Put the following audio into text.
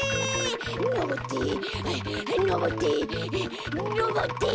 のぼってはいのぼってのぼって。